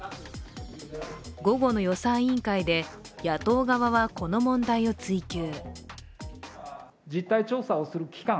午後の、予算委員会で野党側はこの問題を追及。